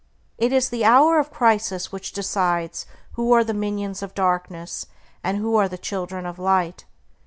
It is the hour of crisis which decides who are the minions of darkness, and who the children of Light.